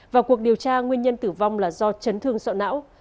và cuộc điều tra nguyên nhân tử vong là do chấn thương sợ não